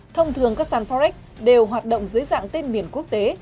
thông thường các sàn forex đều hoạt động dưới dạng tên miền quốc tế